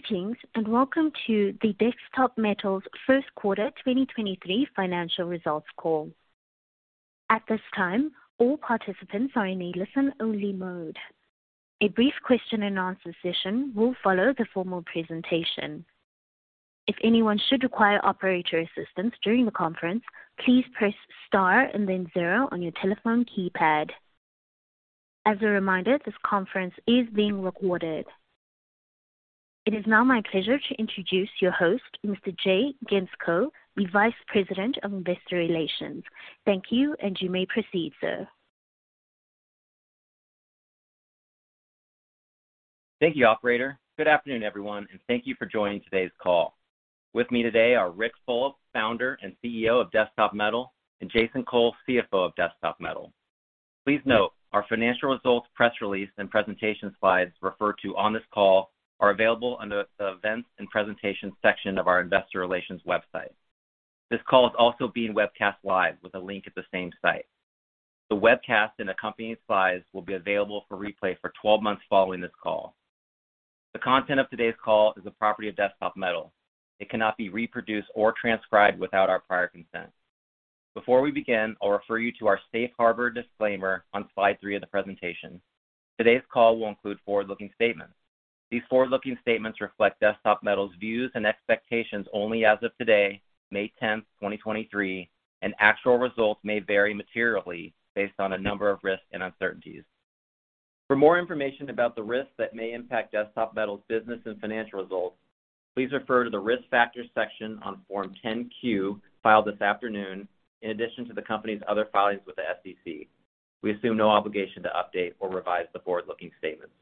Greetings, welcome to the Desktop Metal's first quarter 2023 financial results call. At this time, all participants are in a listen-only mode. A brief question-and-answer session will follow the formal presentation. If anyone should require operator assistance during the conference, please Press Star and then zero on your telephone keypad. As a reminder, this conference is being recorded. It is now my pleasure to introduce your host, Mr. Jay Gentzkow, the Vice President of investor relations. Thank you, and you may proceed, sir. Thank you, operator. Good afternoon, everyone, and thank thank you for joining today's call. With me today are Ric Fulop, Founder and CEO of Desktop Metal, and Jason Cole, CFO of Desktop Metal. Please note our financial results, press release, and presentation slides referred to on this call are available under the Events and Presentations section of our investor relations website. This call is also being webcast live with a link at the same site. The webcast and accompanying slides will be available for replay for 12 months following this call. The content of today's call is the property of Desktop Metal. It cannot be reproduced or transcribed without our prior consent. Before we begin, I'll refer you to our safe harbor disclaimer on slide 3 of the presentation. Today's call will include forward-looking statements. These forward-looking statements reflect Desktop Metal's views and expectations only as of today, May 10, 2023. Actual results may vary materially based on a number of risks and uncertainties. For more information about the risks that may impact Desktop Metal's business and financial results, please refer to the Risk Factors section on Form 10-Q filed this afternoon, in addition to the company's other filings with the SEC. We assume no obligation to update or revise the forward-looking statements.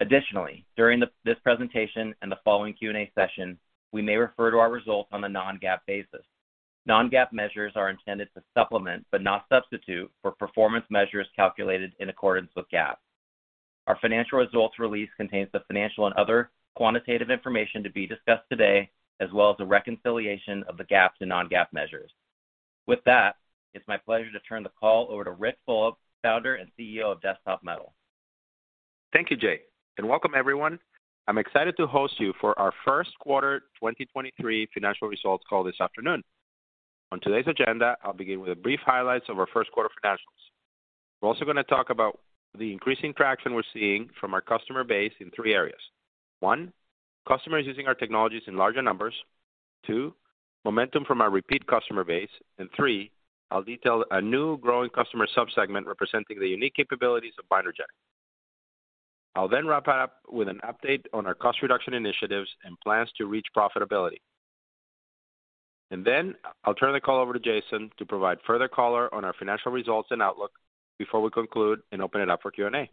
Additionally, during this presentation and the following Q&A session, we may refer to our results on a non-GAAP basis. Non-GAAP measures are intended to supplement, but not substitute, for performance measures calculated in accordance with GAAP. Our financial results release contains the financial and other quantitative information to be discussed today, as well as a reconciliation of the GAAP to non-GAAP measures. With that, it's my pleasure to turn the call over to Ric Fulop, Founder and CEO of Desktop Metal. Thank you, Jay, welcome everyone. I'm excited to host you for our first quarter 2023 financial results call this afternoon. On today's agenda, I'll begin with a brief highlights of our first quarter financials. We're also gonna talk about the increasing traction we're seeing from our customer base in three areas. one, customers using our technologies in larger numbers. two, momentum from our repeat customer base. three, I'll detail a new growing customer sub-segment representing the unique capabilities of Binder Jet. I'll wrap it up with an update on our cost reduction initiatives and plans to reach profitability. I'll turn the call over to Jason to provide further color on our financial results and outlook before we conclude and open it up for Q&A.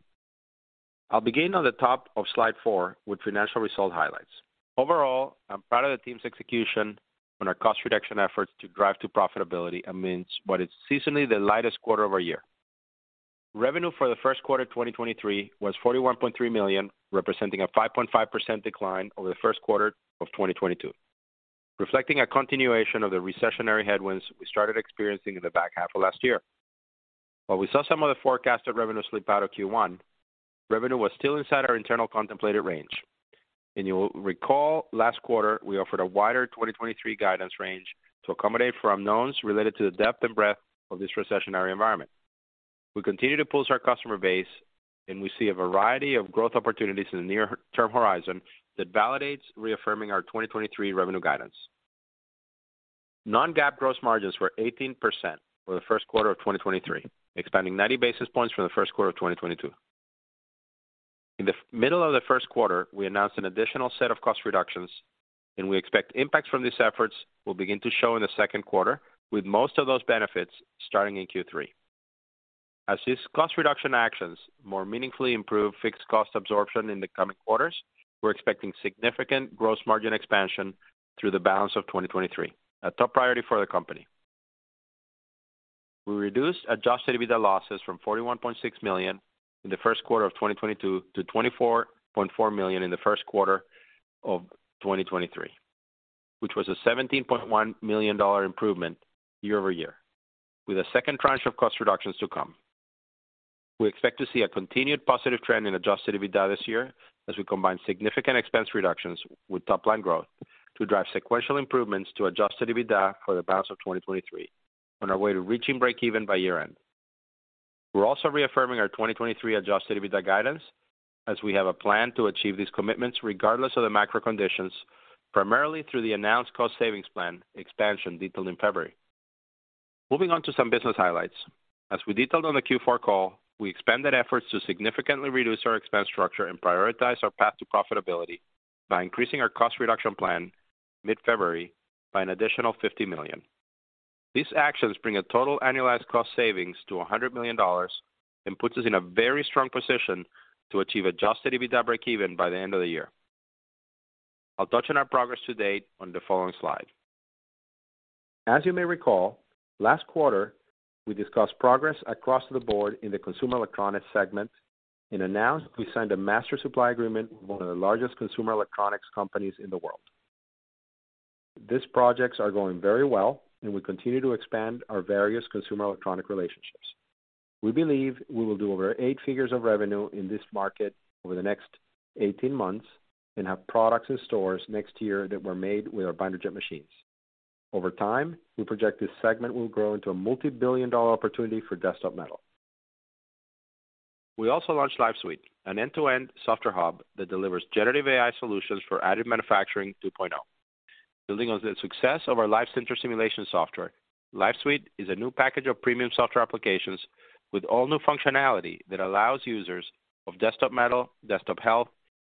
I'll begin on the top of slide 4 with financial result highlights. Overall, I'm proud of the team's execution on our cost reduction efforts to drive to profitability amidst what is seasonally the lightest quarter of our year. Revenue for the first quarter 2023 was $41.3 million, representing a 5.5% decline over the first quarter of 2022, reflecting a continuation of the recessionary headwinds we started experiencing in the back half of last year. We saw some of the forecasted revenue slip out of Q1, revenue was still inside our internal contemplated range. You'll recall last quarter we offered a wider 2023 guidance range to accommodate for unknowns related to the depth and breadth of this recessionary environment. We continue to pulse our customer base, and we see a variety of growth opportunities in the near term horizon that validates reaffirming our 2023 revenue guidance. Non-GAAP gross margins were 18% for the first quarter of 2023, expanding 90 basis points from the first quarter of 2022. In the middle of the first quarter, we announced an additional set of cost reductions, we expect impacts from these efforts will begin to show in the second quarter, with most of those benefits starting in Q3. As these cost reduction actions more meaningfully improve fixed cost absorption in the coming quarters, we're expecting significant gross margin expansion through the balance of 2023, a top priority for the company. We reduced adjusted EBITDA losses from $41.6 million in the first quarter of 2022 to $24.4 million in the first quarter of 2023, which was a $17.1 million improvement year-over-year, with a second tranche of cost reductions to come. We expect to see a continued positive trend in adjusted EBITDA this year as we combine significant expense reductions with top-line growth to drive sequential improvements to adjusted EBITDA for the balance of 2023 on our way to reaching break even by year-end. We're also reaffirming our 2023 adjusted EBITDA guidance as we have a plan to achieve these commitments regardless of the macro conditions, primarily through the announced cost savings plan expansion detailed in February. Moving on to some business highlights. As we detailed on the Q4 call, we expanded efforts to significantly reduce our expense structure and prioritize our path to profitability by increasing our cost reduction plan mid-February by an additional $50 million. These actions bring a total annualized cost savings to $100 million and puts us in a very strong position to achieve adjusted EBITDA break even by the end of the year. I'll touch on our progress to date on the following slide. As you may recall, last quarter we discussed progress across the board in the consumer electronics segment. We announced we signed a master supply agreement with one of the largest consumer electronics companies in the world. These projects are going very well. We continue to expand our various consumer electronic relationships. We believe we will do over 8 figures of revenue in this market over the next 18 months and have products in stores next year that were made with our binder jet machines. Over time, we project this segment will grow into a multi-billion dollar opportunity for Desktop Metal. We also launched Live Suite, an end-to-end software hub that delivers generative AI solutions for AM 2.0. Building on the success of our Live Sinter simulation software, Live Suite is a new package of premium software applications with all new functionality that allows users of Desktop Metal, Desktop Health,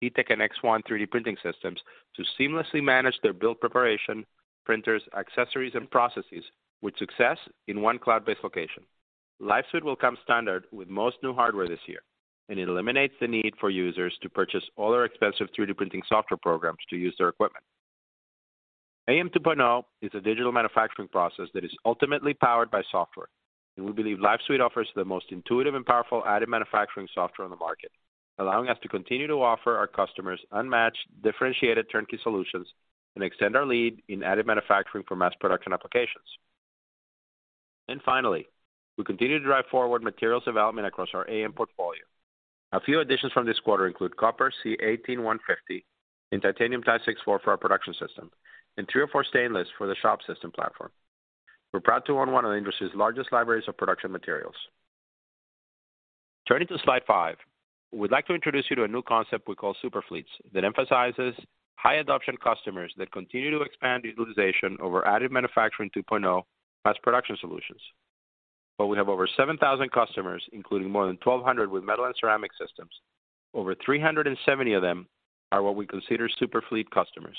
Etec, and ExOne 3D printing systems to seamlessly manage their build preparation, printers, accessories, and processes with success in one cloud-based location. Live Suite will come standard with most new hardware this year, and it eliminates the need for users to purchase other expensive 3D printing software programs to use their equipment. AM 2.0 is a digital manufacturing process that is ultimately powered by software. We believe Live Suite offers the most intuitive and powerful additive manufacturing software on the market, allowing us to continue to offer our customers unmatched, differentiated turnkey solutions and extend our lead in additive manufacturing for mass production applications. Finally, we continue to drive forward materials development across our AM portfolio. A few additions from this quarter include copper C18150 and titanium Ti-64 for our Production System. 304 stainless for the Shop System platform. We're proud to own one of the industry's largest libraries of production materials. Turning to slide five, we'd like to introduce you to a new concept we call Super Fleets that emphasizes high adoption customers that continue to expand utilization over additive manufacturing 2.0 mass production solutions. While we have over 7,000 customers, including more than 1,200 with metal and ceramic systems, over 370 of them are what we consider Super Fleet customers.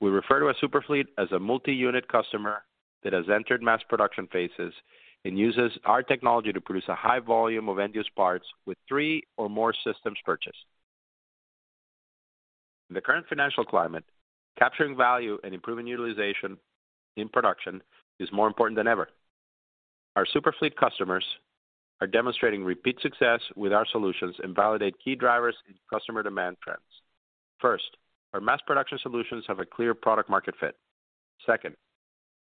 We refer to a Super Fleet as a multi-unit customer that has entered mass production phases and uses our technology to produce a high volume of end-use parts with three or more systems purchased. In the current financial climate, capturing value and improving utilization in production is more important than ever. Our Super Fleet customers are demonstrating repeat success with our solutions and validate key drivers in customer demand trends. First, our mass production solutions have a clear product market fit. Second,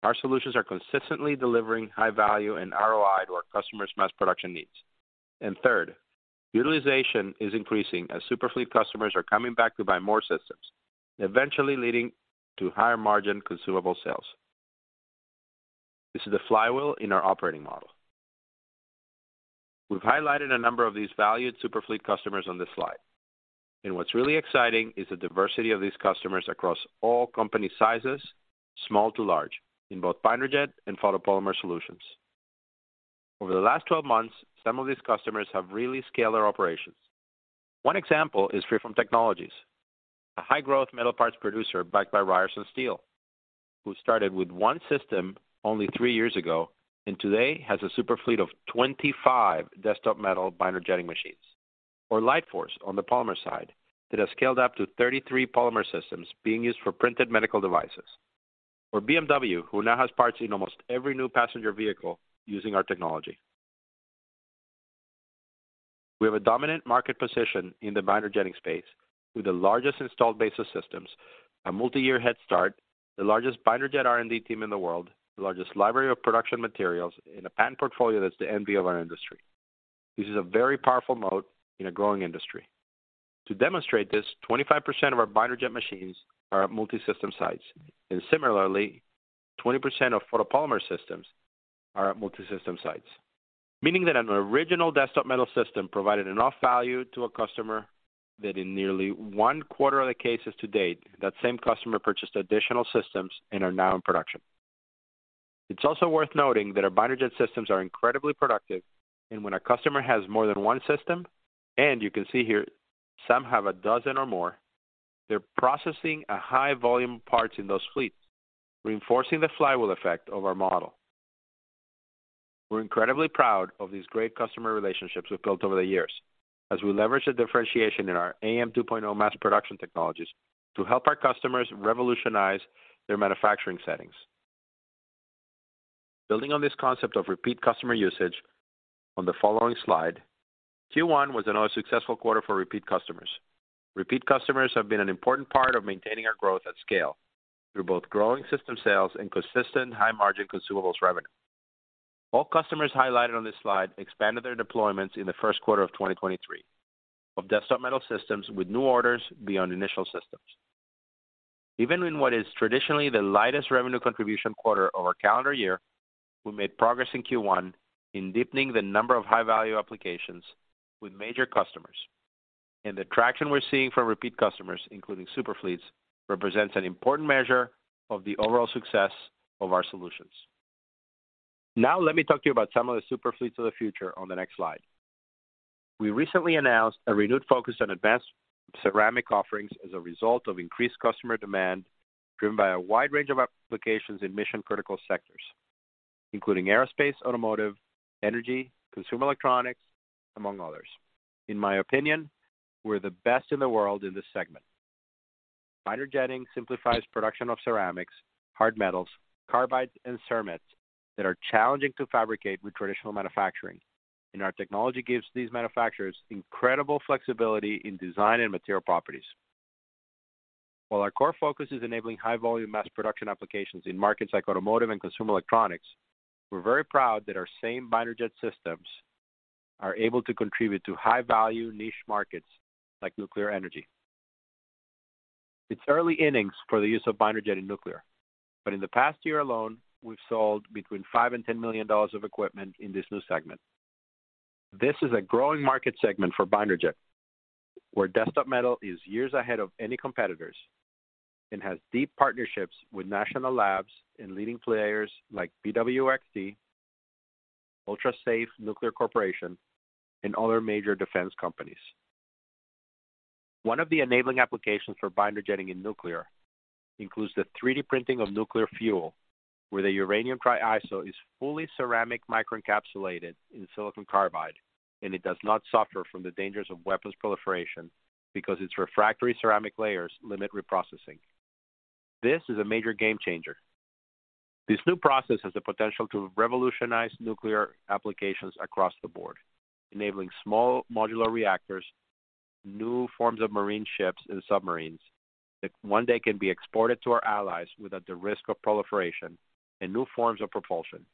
our solutions are consistently delivering high value and ROI to our customers' mass production needs. Third, utilization is increasing as Super Fleet customers are coming back to buy more systems, eventually leading to higher margin consumable sales. This is the flywheel in our operating model. We've highlighted a number of these valued Super Fleet customers on this slide, and what's really exciting is the diversity of these customers across all company sizes, small to large, in both binder jet and photopolymer solutions. Over the last 12 months, some of these customers have really scaled their operations. One example is FreeFORM Technologies, a high-growth metal parts producer backed by Ryerson Steel, who started with one system only three years ago and today has a Super Fleet of 25 Desktop Metal binder jetting machines. LightForce on the polymer side, that has scaled up to 33 polymer systems being used for printed medical devices. BMW, who now has parts in almost every new passenger vehicle using our technology. We have a dominant market position in the binder jetting space with the largest installed base of systems, a multi-year head start, the largest binder jet R&D team in the world, the largest library of production materials, and a patent portfolio that's the envy of our industry. This is a very powerful moat in a growing industry. To demonstrate this, 25% of our binder jet machines are at multi-system sites, and similarly, 20% of photopolymer systems are at multi-system sites. Meaning that an original Desktop Metal system provided enough value to a customer that in nearly one-quarter of the cases to date, that same customer purchased additional systems and are now in production. It's also worth noting that our binder jet systems are incredibly productive, and when a customer has more than one system, and you can see here some have 12 or more, they're processing a high volume of parts in those fleets, reinforcing the flywheel effect of our model. We're incredibly proud of these great customer relationships we've built over the years as we leverage the differentiation in our AM 2.0 mass production technologies to help our customers revolutionize their manufacturing settings. Building on this concept of repeat customer usage on the following slide, Q1 was another successful quarter for repeat customers. Repeat customers have been an important part of maintaining our growth at scale through both growing system sales and consistent high-margin consumables revenue. All customers highlighted on this slide expanded their deployments in the first quarter of 2023 of Desktop Metal systems with new orders beyond initial systems. Even in what is traditionally the lightest revenue contribution quarter of our calendar year, we made progress in Q1 in deepening the number of high-value applications with major customers. The traction we're seeing from repeat customers, including Super Fleets, represents an important measure of the overall success of our solutions. Now let me talk to you about some of the Super Fleets of the future on the next slide. We recently announced a renewed focus on advanced ceramic offerings as a result of increased customer demand driven by a wide range of applications in mission-critical sectors, including aerospace, automotive, energy, consumer electronics, among others. In my opinion, we're the best in the world in this segment. Binder jetting simplifies production of ceramics, hard metals, carbides, and cermets that are challenging to fabricate with traditional manufacturing. Our technology gives these manufacturers incredible flexibility in design and material properties. While our core focus is enabling high volume mass production applications in markets like automotive and consumer electronics, we're very proud that our same binder jet systems are able to contribute to high value niche markets like nuclear energy. It's early innings for the use of binder jet in nuclear. In the past year alone, we've sold between $5 million and $10 million of equipment in this new segment. This is a growing market segment for binder jet, where Desktop Metal is years ahead of any competitors and has deep partnerships with national labs and leading players like BWXT, Ultra Safe Nuclear Corporation, and other major defense companies. One of the enabling applications for binder jetting in nuclear includes the 3D printing of nuclear fuel, where the uranium TRISO is fully ceramic microencapsulated in silicon carbide. It does not suffer from the dangers of weapons proliferation because its refractory ceramic layers limit reprocessing. This is a major game changer. This new process has the potential to revolutionize nuclear applications across the board, enabling small modular reactors, new forms of marine ships and submarines that one day can be exported to our allies without the risk of proliferation and new forms of propulsion.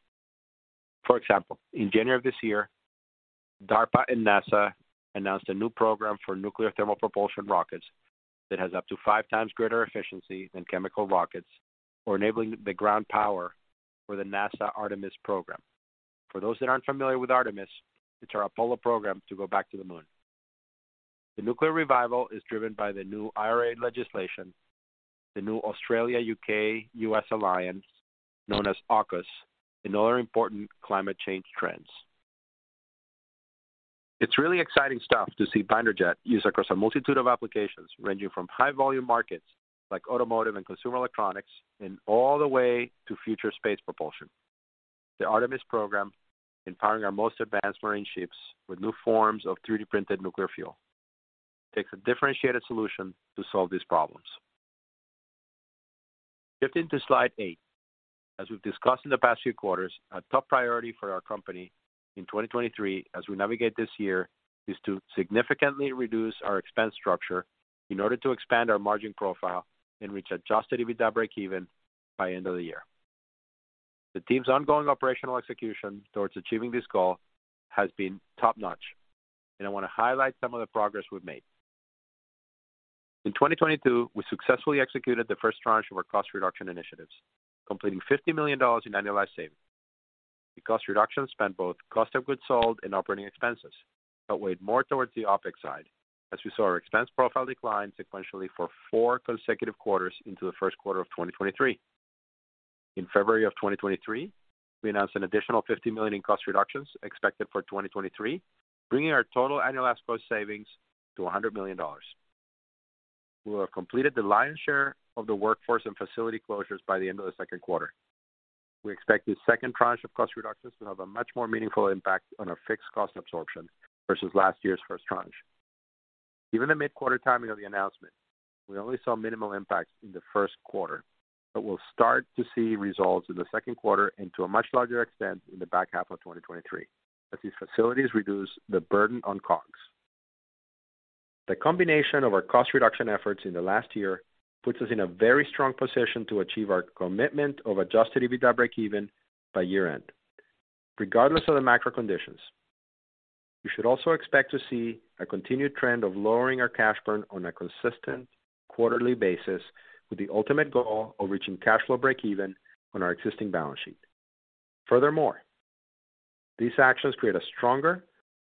For example, in January of this year, DARPA and NASA announced a new program for nuclear thermal propulsion rockets that has up to 5x greater efficiency than chemical rockets for enabling the ground power for the NASA Artemis program. For those that aren't familiar with Artemis, it's our Apollo program to go back to the moon. The nuclear revival is driven by the new IRA legislation, the new Australia U.K. U.S. alliance known as AUKUS, and other important climate change trends. It's really exciting stuff to see binder jet used across a multitude of applications ranging from high volume markets like automotive and consumer electronics and all the way to future space propulsion. The Artemis program and powering our most advanced marine ships with new forms of 3D printed nuclear fuel takes a differentiated solution to solve these problems. Shifting to slide eight. As we've discussed in the past few quarters, a top priority for our company in 2023 as we navigate this year, is to significantly reduce our expense structure in order to expand our margin profile and reach adjusted EBITDA breakeven by end of the year. The team's ongoing operational execution towards achieving this goal has been top-notch, and I want to highlight some of the progress we've made. In 2022, we successfully executed the first tranche of our cost reduction initiatives, completing $50 million in annualized savings. The cost reduction spent both cost of goods sold and operating expenses, but weighed more towards the OpEx side as we saw our expense profile decline sequentially for four consecutive quarters into the first quarter of 2023. In February of 2023, we announced an additional $50 million in cost reductions expected for 2023, bringing our total annualized cost savings to $100 million. We will have completed the lion's share of the workforce and facility closures by the end of the second quarter. We expect this second tranche of cost reductions to have a much more meaningful impact on our fixed cost absorption versus last year's first tranche. Given the mid-quarter timing of the announcement, we only saw minimal impacts in the first quarter, but we'll start to see results in the second quarter and to a much larger extent in the back half of 2023 as these facilities reduce the burden on COGS. The combination of our cost reduction efforts in the last year puts us in a very strong position to achieve our commitment of adjusted EBITDA breakeven by year-end. Regardless of the macro conditions, you should also expect to see a continued trend of lowering our cash burn on a consistent quarterly basis with the ultimate goal of reaching cash flow breakeven on our existing balance sheet. Furthermore, these actions create a stronger,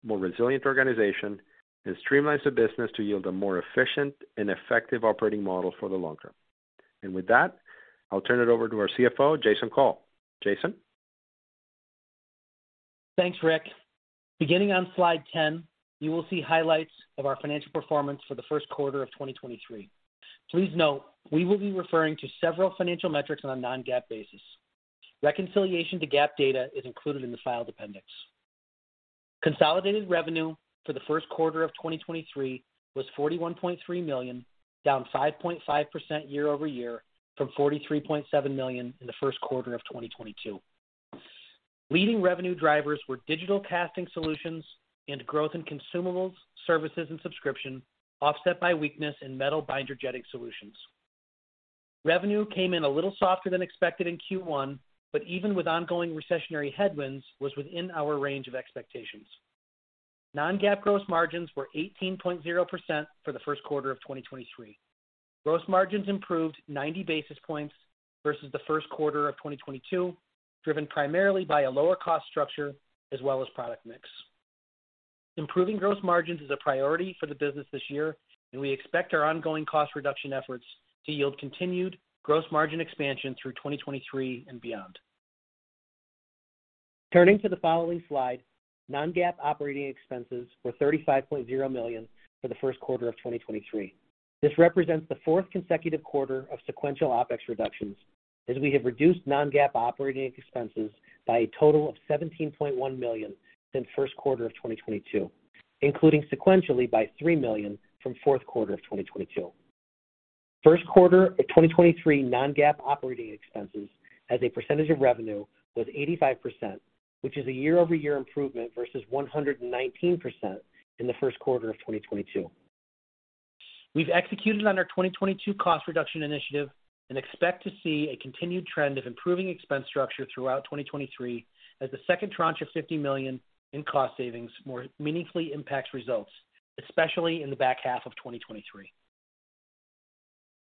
more resilient organization and streamlines the business to yield a more efficient and effective operating model for the long term. With that, I'll turn it over to our CFO, Jason Cole. Jason? Thanks, Ric. Beginning on slide 10, you will see highlights of our financial performance for the first quarter of 2023. Please note, we will be referring to several financial metrics on a non-GAAP basis. Reconciliation to GAAP data is included in the file appendix. Consolidated revenue for the first quarter of 2023 was $41.3 million, down 5.5% year-over-year from $43.7 million in the first quarter of 2022. Leading revenue drivers were digital casting solutions and growth in consumables, services, and subscription, offset by weakness in metal binder jetting solutions. Revenue came in a little softer than expected in Q1, but even with ongoing recessionary headwinds, was within our range of expectations. Non-GAAP gross margins were 18.0% for the first quarter of 2023. Gross margins improved 90 basis points versus the first quarter of 2022, driven primarily by a lower cost structure as well as product mix. Improving gross margins is a priority for the business this year, and we expect our ongoing cost reduction efforts to yield continued gross margin expansion through 2023 and beyond. Turning to the following slide, non-GAAP operating expenses were $35.0 million for the first quarter of 2023. This represents the fourth consecutive quarter of sequential OpEx reductions, as we have reduced non-GAAP operating expenses by a total of $17.1 million since first quarter of 2022, including sequentially by $3 million from fourth quarter of 2022. First quarter of 2023 non-GAAP operating expenses as a percentage of revenue was 85%, which is a year-over-year improvement versus 119% in the first quarter of 2022. We've executed on our 2022 cost reduction initiative and expect to see a continued trend of improving expense structure throughout 2023 as the second tranche of $50 million in cost savings more meaningfully impacts results, especially in the back half of 2023.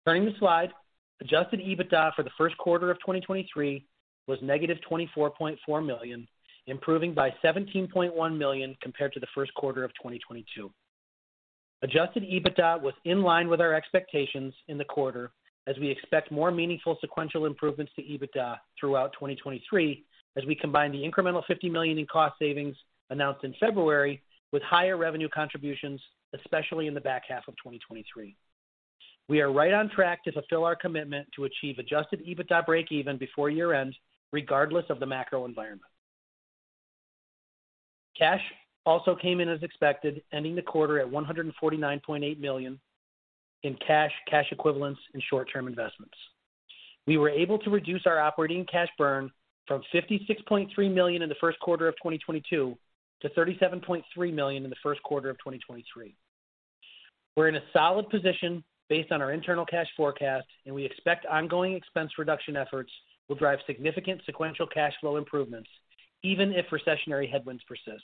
Turning the slide, adjusted EBITDA for the first quarter of 2023 was -$24.4 million, improving by $17.1 million compared to the first quarter of 2022. adjusted EBITDA was in line with our expectations in the quarter as we expect more meaningful sequential improvements to EBITDA throughout 2023 as we combine the incremental $50 million in cost savings announced in February with higher revenue contributions, especially in the back half of 2023. We are right on track to fulfill our commitment to achieve adjusted EBITDA breakeven before year-end, regardless of the macro environment. Cash also came in as expected, ending the quarter at $149.8 million in cash equivalents, and short-term investments. We were able to reduce our operating cash burn from $56.3 million in the first quarter of 2022 to $37.3 million in the first quarter of 2023. We're in a solid position based on our internal cash forecast, we expect ongoing expense reduction efforts will drive significant sequential cash flow improvements even if recessionary headwinds persist.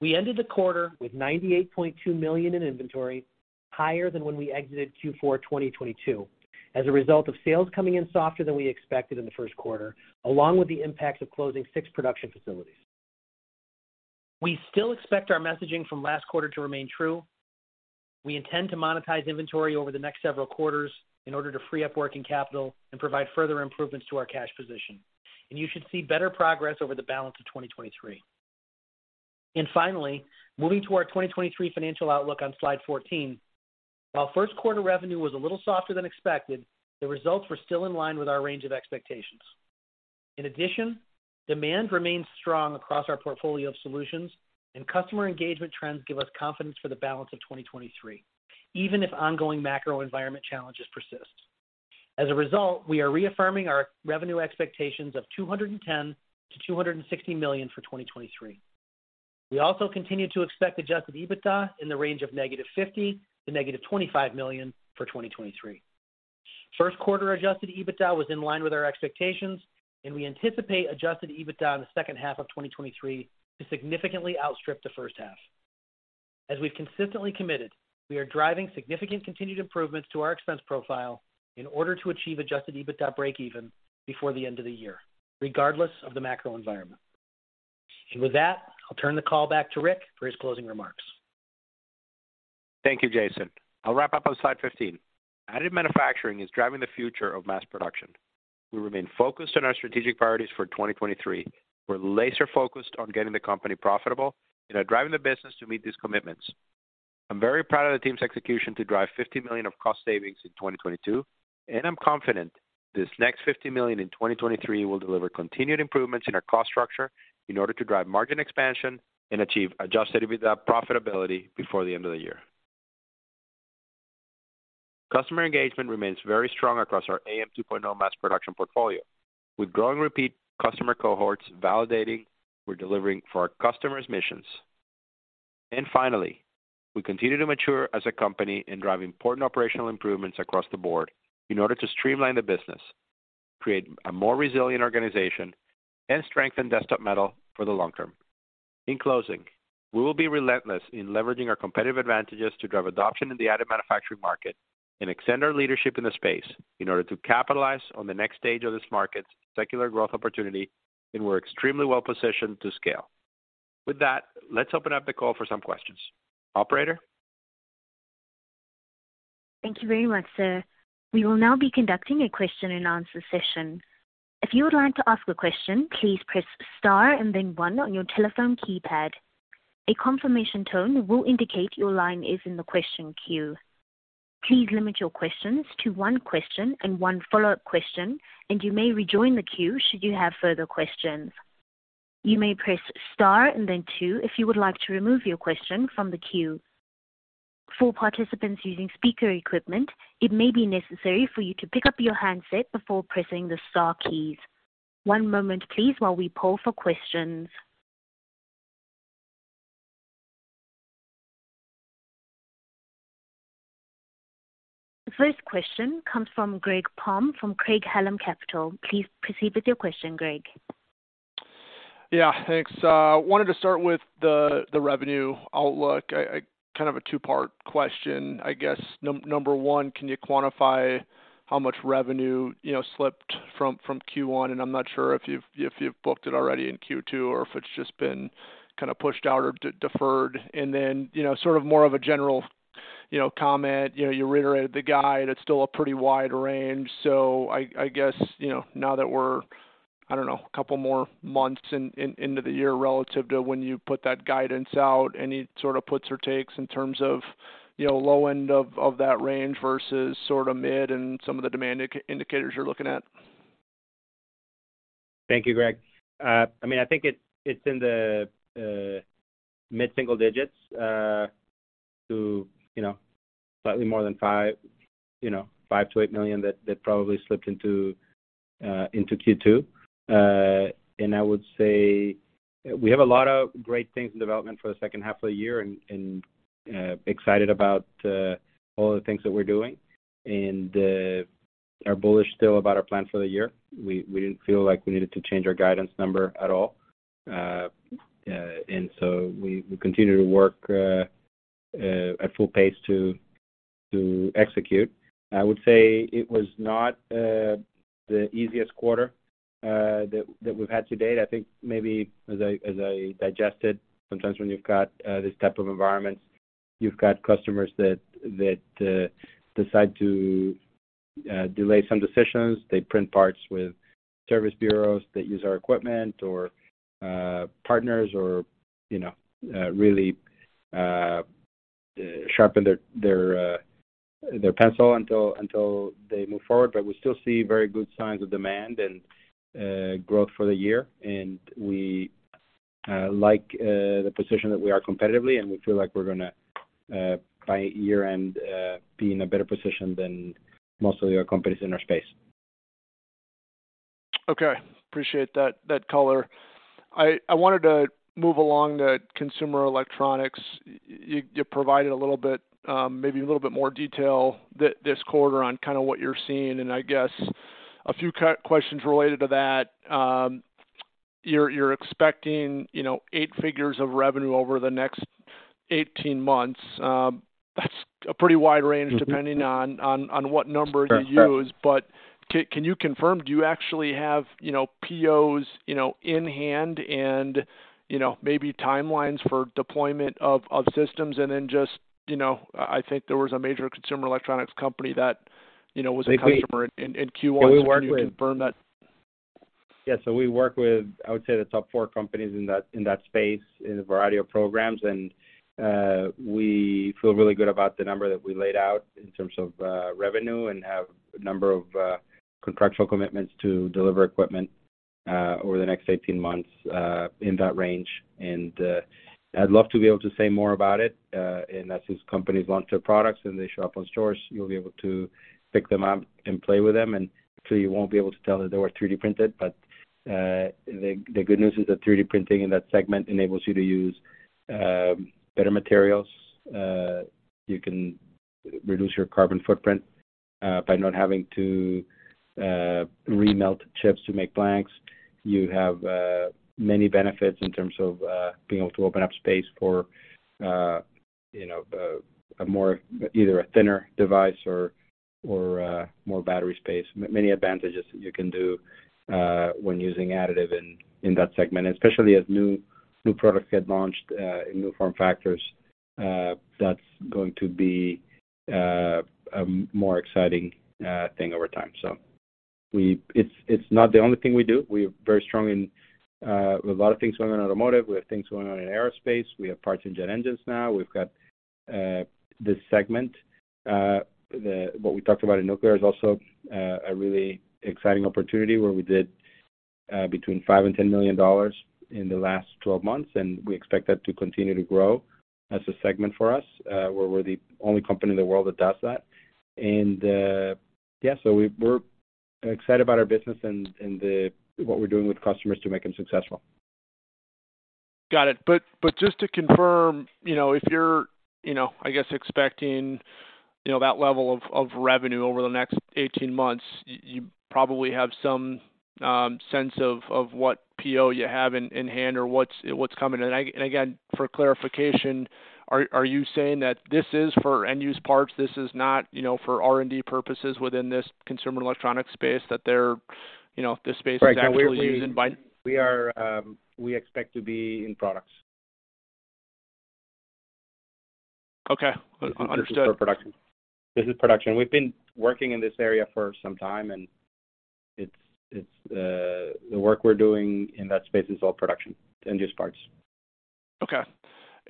We ended the quarter with $98.2 million in inventory, higher than when we exited Q4 2022 as a result of sales coming in softer than we expected in the first quarter, along with the impact of closing six production facilities. We still expect our messaging from last quarter to remain true. We intend to monetize inventory over the next several quarters in order to free up working capital and provide further improvements to our cash position. You should see better progress over the balance of 2023. Finally, moving to our 2023 financial outlook on slide 14. While first quarter revenue was a little softer than expected, the results were still in line with our range of expectations. In addition, demand remains strong across our portfolio of solutions, and customer engagement trends give us confidence for the balance of 2023, even if ongoing macro environment challenges persist. As a result, we are reaffirming our revenue expectations of $210 million-$260 million for 2023. We also continue to expect adjusted EBITDA in the range of -$50 million to -$25 million for 2023. First quarter adjusted EBITDA was in line with our expectations, and we anticipate adjusted EBITDA in the second half of 2023 to significantly outstrip the first half. As we've consistently committed, we are driving significant continued improvements to our expense profile in order to achieve adjusted EBITDA breakeven before the end of the year, regardless of the macro environment. With that, I'll turn the call back to Ric for his closing remarks. Thank you, Jason. I'll wrap up on slide 15. Additive manufacturing is driving the future of mass production. We remain focused on our strategic priorities for 2023. We're laser-focused on getting the company profitable and are driving the business to meet these commitments. I'm very proud of the team's execution to drive $50 million of cost savings in 2022. I'm confident this next $50 million in 2023 will deliver continued improvements in our cost structure in order to drive margin expansion and achieve adjusted EBITDA profitability before the end of the year. Customer engagement remains very strong across our AM 2.0 mass production portfolio, with growing repeat customer cohorts validating we're delivering for our customers' missions. Finally, we continue to mature as a company in driving important operational improvements across the board in order to streamline the business, create a more resilient organization, and strengthen Desktop Metal for the long term. In closing, we will be relentless in leveraging our competitive advantages to drive adoption in the additive manufacturing market and extend our leadership in the space in order to capitalize on the next stage of this market's secular growth opportunity, and we're extremely well positioned to scale. With that, let's open up the call for some questions. Operator? Thank you very much, sir. We will now be conducting a question and answer session. If you would like to ask a question, please Press Star and then one on your telephone keypad. A confirmation tone will indicate your line is in the question queue. Please limit your questions to one question and one follow-up question, and you may rejoin the queue should you have further questions. You may press star and then two if you would like to remove your question from the queue. For participants using speaker equipment, it may be necessary for you to pick up your handset before pressing the star keys. One moment, please, while we poll for questions. The first question comes from Greg Palm from Craig-Hallum Capital. Please proceed with your question, Greg. Yeah, thanks. wanted to start with the revenue outlook. I kind of a two part question, I guess. Number one, can you quantify how much revenue, you know, slipped from Q1? I'm not sure if you've booked it already in Q2 or if it's just been kind of pushed out or deferred. You know, sort of more of a general, you know, comment. You know, you reiterated the guide. It's still a pretty wide range. I guess, you know, now that we're, I don't know, a couple more months into the year relative to when you put that guidance out, any sort of puts or takes in terms of, you know, low end of that range versus sort of mid and some of the demand indicators you're looking at? Thank you, Greg. I mean, I think it's in the mid-single digits to, you know, slightly more than $5 million, you know, $5 million-$8 million that probably slipped into Q2. I would say we have a lot of great things in development for the second half of the year and excited about all the things that we're doing. Are bullish still about our plans for the year. We didn't feel like we needed to change our guidance number at all. We continue to work at full pace to execute. I would say it was not the easiest quarter that we've had to date. I think maybe as I digest it, sometimes when you've got this type of environments, you've got customers that decide to delay some decisions. They print parts with service bureaus that use our equipment or partners or, you know, really sharpen their pencil until they move forward. We still see very good signs of demand and growth for the year. We like the position that we are competitively, and we feel like we're gonna by year-end be in a better position than most of the other companies in our space. Okay. Appreciate that color. I wanted to move along to consumer electronics. You provided a little bit, maybe a little bit more detail this quarter on kind of what you're seeing, and I guess a few questions related to that. You're expecting, you know, eight figures of revenue over the next 18 months. That's a pretty wide range depending on what number you use. Can you confirm, do you actually have, you know, POs, you know, in hand and, you know, maybe timelines for deployment of systems? Then just, you know, I think there was a major consumer electronics company that, you know, was a customer in Q1. Can you confirm that? Yes. We work with, I would say, the top four companies in that, in that space in a variety of programs. We feel really good about the number that we laid out in terms of revenue and have a number of contractual commitments to deliver equipment over the next 18 months in that range. I'd love to be able to say more about it. As these companies launch their products and they show up on stores, you'll be able to pick them up and play with them. You won't be able to tell that they were 3D printed. The good news is that 3D printing in that segment enables you to use better materials. You can reduce your carbon footprint by not having to remelt chips to make blanks. You have many benefits in terms of being able to open up space for, you know, a more either a thinner device or more battery space. Many advantages that you can do when using additive in that segment, especially as new products get launched in new form factors, that's going to be a more exciting thing over time. It's not the only thing we do. We're very strong in a lot of things going on in automotive. We have things going on in aerospace. We have parts in jet engines now. We've got this segment, the... What we talked about in nuclear is also a really exciting opportunity where we did between $5 million and $10 million in the last 12 months, and we expect that to continue to grow as a segment for us, where we're the only company in the world that does that. Yeah, so we're excited about our business and what we're doing with customers to make them successful. Got it. Just to confirm, you know, if you're, you know, I guess, expecting, you know, that level of revenue over the next 18 months, you probably have some sense of what PO you have in hand or what's coming. Again, for clarification, are you saying that this is for end use parts, this is not, you know, for R&D purposes within this consumer electronic space, that they're, you know, this space is actually used? We expect to be in products. Okay. Understood. This is for production. This is production. We've been working in this area for some time, and it's, the work we're doing in that space is all production, end use parts. Okay.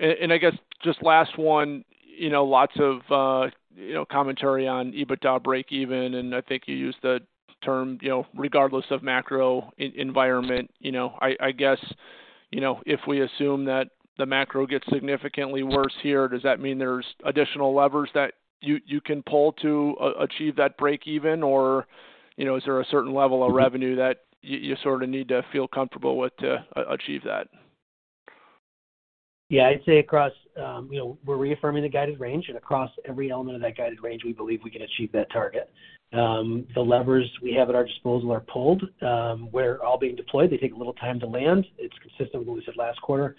I guess just last one, you know, lots of, you know, commentary on EBITDA breakeven, and I think you used the term, you know, regardless of macro environment, you know. I guess, you know, if we assume that the macro gets significantly worse here, does that mean there's additional levers that you can pull to achieve that breakeven? Or, you know, is there a certain level of revenue that you sort of need to feel comfortable with to achieve that? Yeah. I'd say across, you know, we're reaffirming the guided range, and across every element of that guided range, we believe we can achieve that target. The levers we have at our disposal are pulled. We're all being deployed. They take a little time to land. It's consistent with what we said last quarter.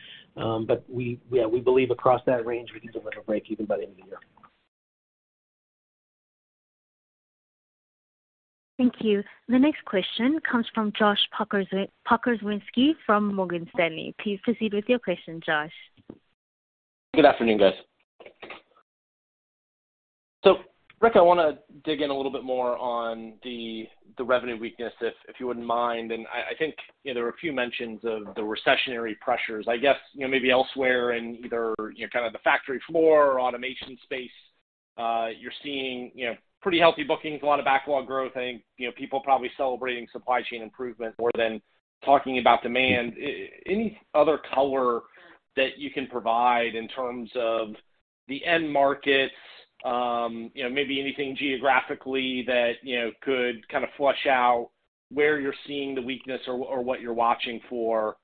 We, yeah, we believe across that range we can deliver breakeven by the end of the year. Thank you. The next question comes from Josh Puckerzwinski from Morgan Stanley. Please proceed with your question, Josh. Good afternoon, guys. Ric, I wanna dig in a little bit more on the revenue weakness, if you wouldn't mind. I think, you know, there were a few mentions of the recessionary pressures. I guess, you know, maybe elsewhere in either, you know, kind of the factory floor or automation space. You're seeing, you know, pretty healthy bookings, a lot of backlog growth. I think, you know, people probably celebrating supply chain improvement more than talking about demand. Any other color that you can provide in terms of the end markets? You know, maybe anything geographically that, you know, could kind of flush out where you're seeing the weakness or what you're watching for,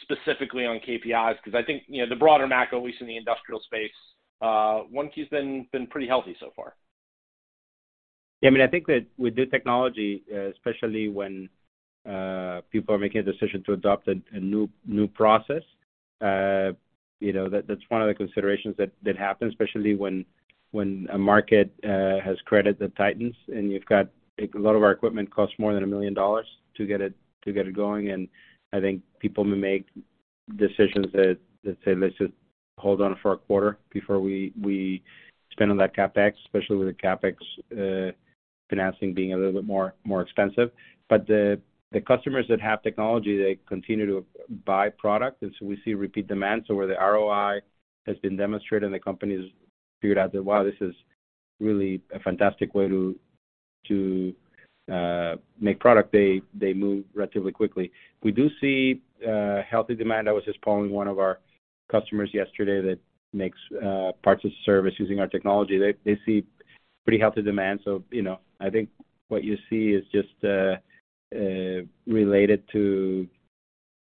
specifically on KPIs. I think, you know, the broader macro, at least in the industrial space, 1Q's been pretty healthy so far. Yeah. I mean, I think that with new technology, especially when people are making a decision to adopt a new process, you know, that's one of the considerations that happens, especially when a market has credit that tightens and you've got. A lot of our equipment costs more than $1 million to get it going. I think people may make decisions that say, "Let's just hold on for a quarter before we spend on that CapEx," especially with the CapEx financing being a little bit more expensive. The customers that have technology, they continue to buy product, and so we see repeat demand. Where the ROI has been demonstrated and the company's figured out that, wow, this is really a fantastic way to make product, they move relatively quickly. We do see healthy demand. I was just calling one of our customers yesterday that makes parts of service using our technology. They see pretty healthy demand. You know, I think what you see is just related to,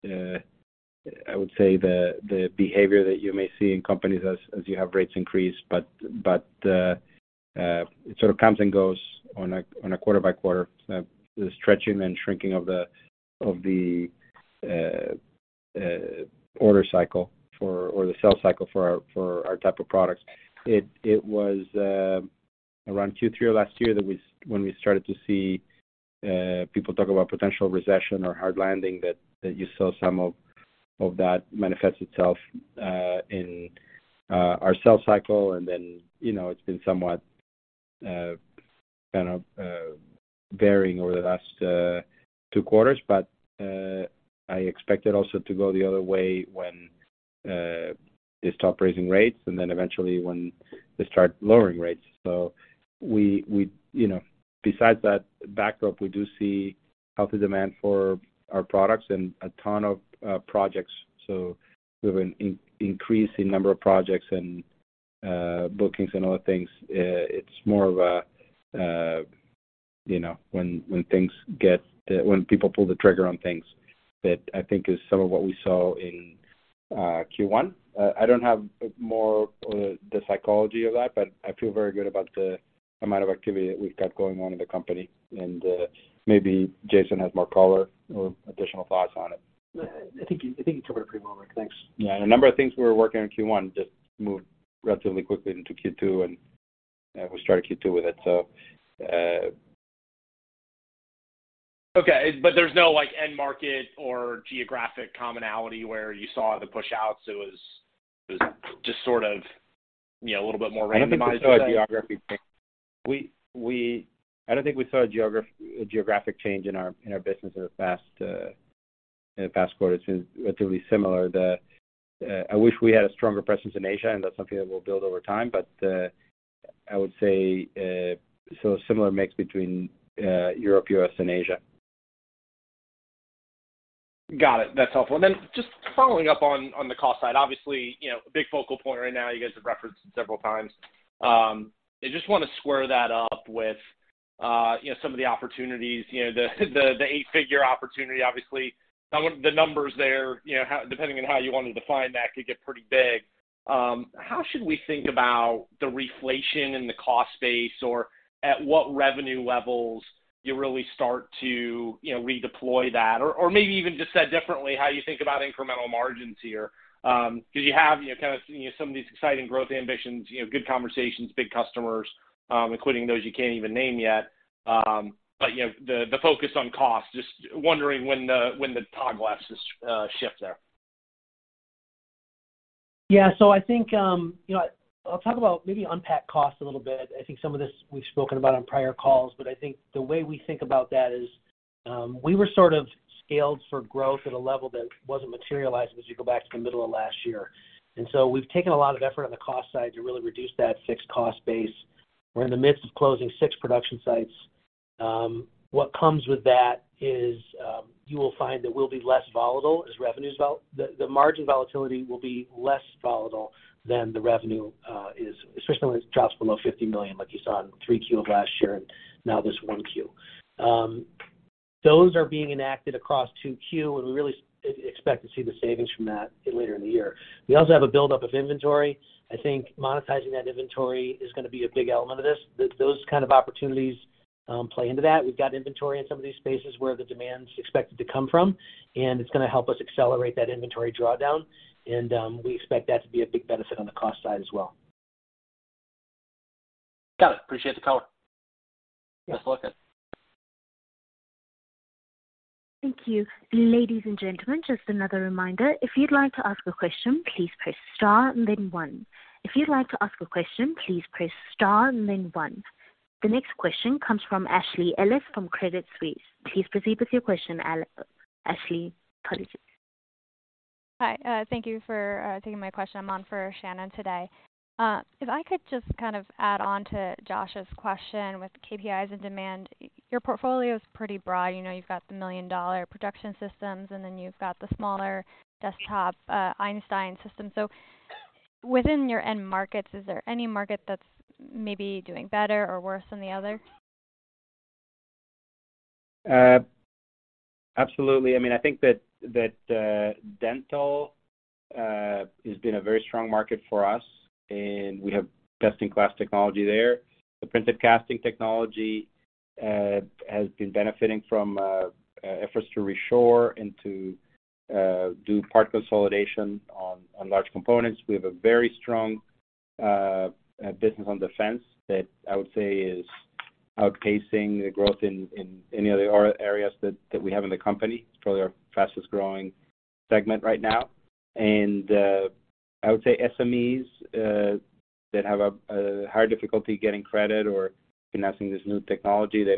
I would say the behavior that you may see in companies as you have rates increase. It sort of comes and goes on a quarter by quarter, the stretching and shrinking of the order cycle for, or the sales cycle for our type of products. It was around Q3 of last year that when we started to see people talk about potential recession or hard landing that you saw some of that manifest itself in our sales cycle. You know, it's been somewhat, kind of, varying over the last two quarters. I expect it also to go the other way when they stop raising rates and then eventually when they start lowering rates. You know, besides that backdrop, we do see healthy demand for our products and a ton of projects. We have an increase in number of projects and bookings and other things. It's more of a, you know, when people pull the trigger on things that I think is some of what we saw in Q1. I don't have more the psychology of that, but I feel very good about the amount of activity that we've got going on in the company. Maybe Jason has more color or additional thoughts on it. I think you covered it pretty well, Ric. Thanks. Yeah. A number of things we were working on Q1 just moved relatively quickly into Q2, and we started Q2 with it. Okay. There's no, like, end market or geographic commonality where you saw the push-outs, it was just sort of, you know, a little bit more randomized? I don't think we saw a geographic change. We don't think we saw a geographic change in our business in the past in the past quarter. It's been relatively similar. I wish we had a stronger presence in Asia. That's something that we'll build over time. I would say similar mix between Europe, U.S. and Asia. Got it. That's helpful. Just following up on the cost side, obviously, you know, a big focal point right now, you guys have referenced it several times. I just wanna square that up with, you know, some of the opportunities, you know, the, the eight figure opportunity obviously. I want the numbers there, you know, depending on how you want to define that, could get pretty big. How should we think about the reflation in the cost base or at what revenue levels you really start to, you know, redeploy that? Or maybe even just said differently, how you think about incremental margins here. 'Cause you have, you know, kind of, you know, some of these exciting growth ambitions, you know, good conversations, big customers, including those you can't even name yet. You know, the focus on cost, just wondering when the, when the hourglasses shift there. Yeah. I think, you know, I'll talk about maybe unpack costs a little bit. I think some of this we've spoken about on prior calls, but I think the way we think about that is, we were sort of scaled for growth at a level that wasn't materialized as you go back to the middle of last year. We've taken a lot of effort on the cost side to really reduce that fixed cost base. We're in the midst of closing six production sites. What comes with that is, you will find that we'll be less volatile as revenues The margin volatility will be less volatile than the revenue is, especially when it drops below $50 million like you saw in 3Q of last year, and now this 1Q. Those are being enacted across 2Q, and we really expect to see the savings from that later in the year. We also have a buildup of inventory. I think monetizing that inventory is gonna be a big element of this. Those kind of opportunities play into that. We've got inventory in some of these spaces where the demand's expected to come from, and it's gonna help us accelerate that inventory drawdown. We expect that to be a big benefit on the cost side as well. Got it. Appreciate the color. Yes. Thanks a lot. Thank you. Ladies and gentlemen, just another reminder. If you'd like to ask a question, please press star and then one. If you'd like to ask a question, please Press Star and then one. The next question comes from Shannon Cross from Credit Suisse. Please proceed with your question Ashley. Pardon me. Hi, thank you for taking my question. I'm on for Shannon today. If I could just kind of add on to Josh's question with KPIs and demand. Your portfolio is pretty broad. You know, you've got the $1 million Production Systems, and then you've got the smaller desktop, Einstein system. Within your end markets, is there any market that's maybe doing better or worse than the other? Absolutely. I mean, I think that dental has been a very strong market for us, and we have best-in-class technology there. The printed casting technology has been benefiting from efforts to reshore and to do part consolidation on large components. We have a very strong business on defense that I would say is outpacing the growth in any other areas that we have in the company. It's probably our fastest-growing segment right now. I would say SMEs that have a hard difficulty getting credit or announcing this new technology, they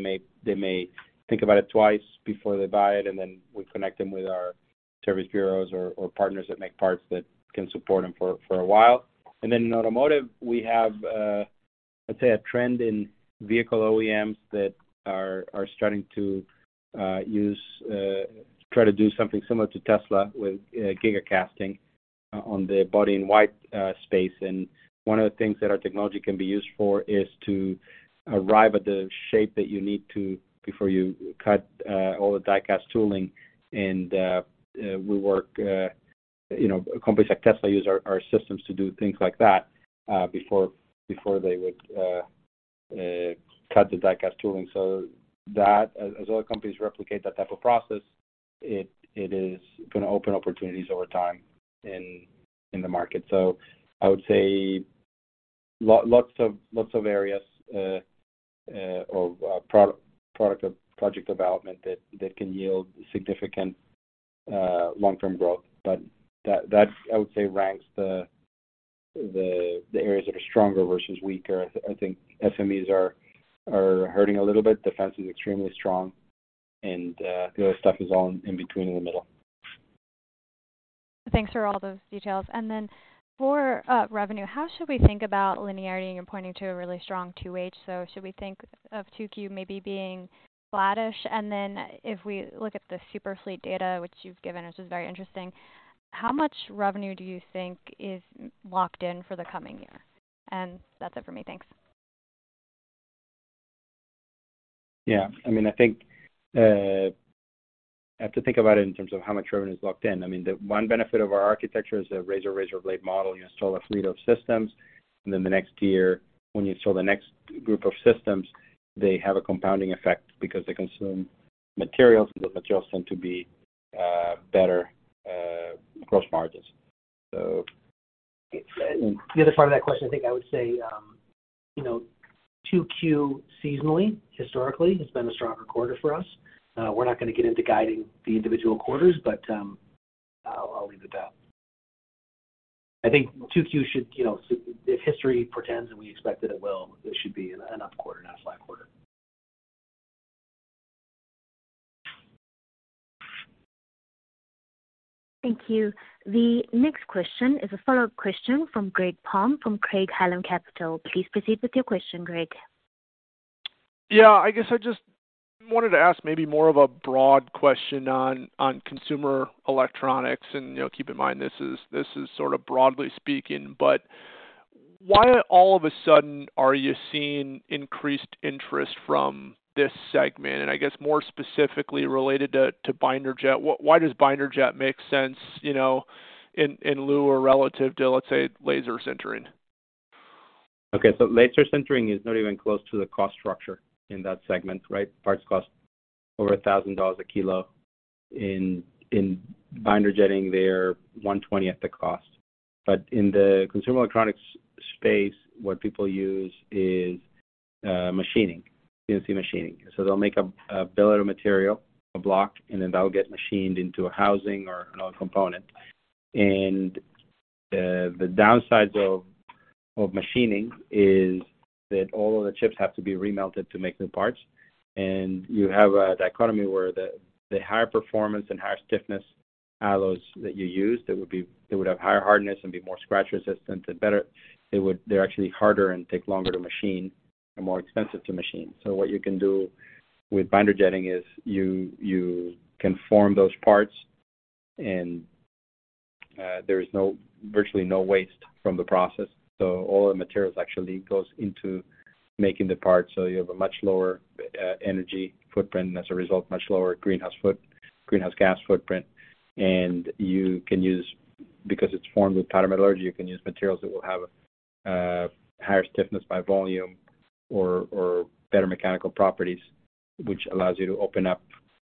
may think about it twice before they buy it, and then we connect them with our service bureaus or partners that make parts that can support them for a while. In automotive, we have, let's say a trend in vehicle OEMs that are starting to use, try to do something similar to Tesla with gigacasting on the body in white space. One of the things that our technology can be used for is to arrive at the shape that you need to before you cut all the die-cast tooling. We work, you know, companies like Tesla use our systems to do things like that before they would cut the die-cast tooling. That as other companies replicate that type of process, it is gonna open opportunities over time in the market. I would say lots of, lots of areas of product of project development that can yield significant long-term growth. That I would say ranks the areas that are stronger versus weaker. I think SMEs are hurting a little bit. Defense is extremely strong and the other stuff is all in between in the middle. Thanks for all those details. Then for revenue, how should we think about linearity? You're pointing to a really strong 2H. Should we think of 2Q maybe being flattish? Then if we look at the Super Fleet data which you've given us is very interesting, how much revenue do you think is locked in for the coming year? That's it for me. Thanks. I mean, I think, I have to think about it in terms of how much revenue is locked in. I mean, the one benefit of our architecture is the razor blade model. You install a fleet of systems. The next year, when you install the next group of systems, they have a compounding effect because they consume materials. Those materials tend to be, better, gross margins. The other part of that question, I think I would say, you know, 2Q seasonally, historically, has been a stronger quarter for us. We're not gonna get into guiding the individual quarters, but I'll leave it that. I think 2Q should, you know... If history portends, and we expect that it will, it should be an up quarter, not a flat quarter. Thank you. The next question is a follow-up question from Greg Palm from Craig-Hallum Capital. Please proceed with your question, Greg. Yeah, I guess I just wanted to ask maybe more of a broad question on consumer electronics. You know, keep in mind this is, this is sort of broadly speaking, but why all of a sudden are you seeing increased interest from this segment? I guess more specifically related to binder jetting, why does binder jetting make sense, you know, in lieu or relative to, let's say, laser sintering? Laser sintering is not even close to the cost structure in that segment, right? Parts cost over $1,000 a kilo. In binder jetting, they're 1/20th the cost. In the consumer electronics space, what people use is machining, CNC machining. They'll make a bill of material, a block, and then that'll get machined into a housing or another component. The downsides of machining is that all of the chips have to be remelted to make new parts. You have a dichotomy where the higher performance and higher stiffness alloys that you use, they would have higher hardness and be more scratch resistant and better. They're actually harder and take longer to machine and more expensive to machine. What you can do with binder jetting is you can form those parts, and there is virtually no waste from the process. All the materials actually goes into making the parts, so you have a much lower energy footprint, and as a result, much lower greenhouse gas footprint. You can use, because it's formed with powder metallurgy, you can use materials that will have higher stiffness by volume or better mechanical properties, which allows you to open up,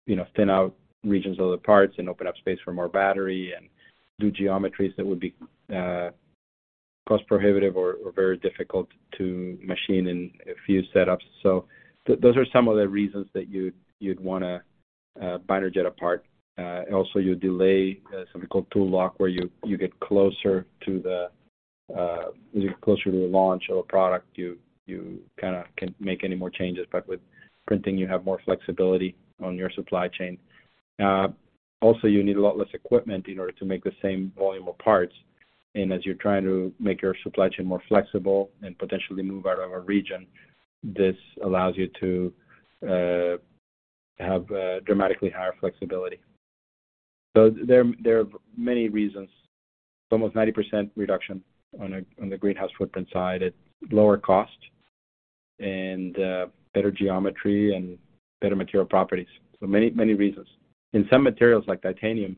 you know, thin out regions of the parts and open up space for more battery and do geometries that would be cost prohibitive or very difficult to machine in a few setups. Those are some of the reasons that you'd wanna binder jetting a part. Also you delay something called tool lock, where you get closer to the launch of a product, you kind of can't make any more changes, but with printing, you have more flexibility on your supply chain. Also, you need a lot less equipment in order to make the same volume of parts. As you're trying to make your supply chain more flexible and potentially move out of a region, this allows you to have dramatically higher flexibility. There are many reasons. Almost 90% reduction on the greenhouse footprint side at lower cost and better geometry and better material properties. Many reasons. In some materials like titanium,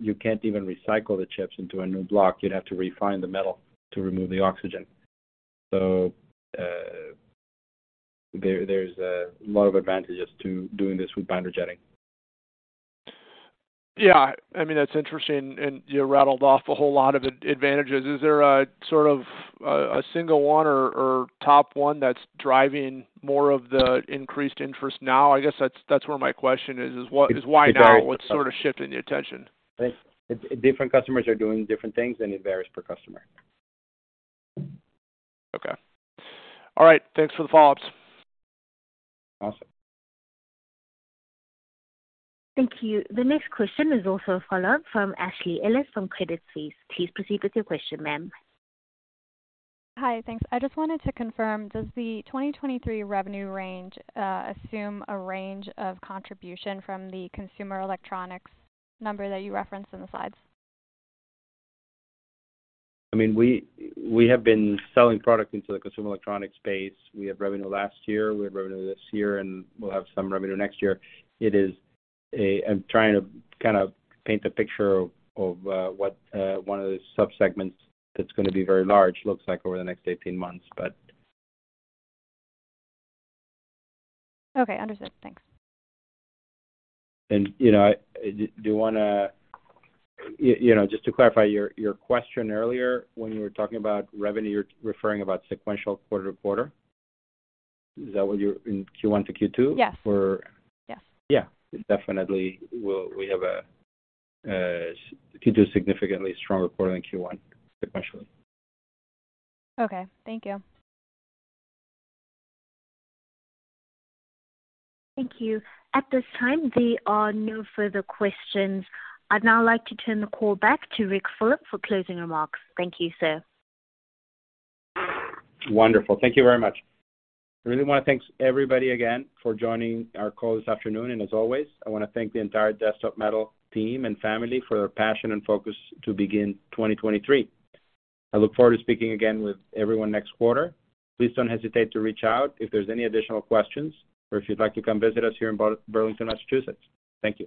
you can't even recycle the chips into a new block. You'd have to refine the metal to remove the oxygen. There's a lot of advantages to doing this with binder jetting. Yeah. I mean, that's interesting, and you rattled off a whole lot of advantages. Is there a, sort of a single one or top one that's driving more of the increased interest now? I guess that's where my question is what... is why now? What's sort of shifting the attention? Different customers are doing different things, and it varies per customer. Okay. All right. Thanks for the follow-ups. Awesome. Thank you. The next question is also a follow-up from Shannon Cross from Credit Suisse. Please proceed with your question, ma'am. Hi. Thanks. I just wanted to confirm, does the 2023 revenue range assume a range of contribution from the consumer electronics number that you referenced in the slides? I mean, we have been selling product into the consumer electronic space. We had revenue last year, we have revenue this year, and we'll have some revenue next year. It is a. I'm trying to kind of paint the picture of what one of the subsegments that's gonna be very large looks like over the next 18 months. Okay. Understood. Thanks. you know, just to clarify your question earlier when you were talking about revenue, you're referring about sequential quarter to quarter? In Q1 to Q2? Yes. Or- Yes. Yeah. Definitely. We have a 2Q significantly stronger quarter than Q one sequentially. Okay. Thank you. Thank you. At this time, there are no further questions. I'd now like to turn the call back to Ric Fulop for closing remarks. Thank you, sir. Wonderful. Thank you very much. I really want to thank everybody again for joining our call this afternoon. As always, I want to thank the entire Desktop Metal team and family for their passion and focus to begin 2023. I look forward to speaking again with everyone next quarter. Please don't hesitate to reach out if there's any additional questions or if you'd like to come visit us here in Burlington, Massachusetts. Thank you.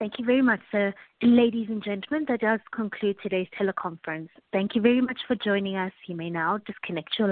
Thank you very much, sir. Ladies and gentlemen, that does conclude today's teleconference. Thank you very much for joining us. You may now disconnect your lines.